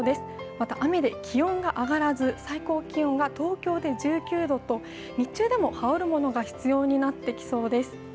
また雨で気温が上がらず最高気温は東京で１９度と、日中でも羽織るものが必要になってきそうです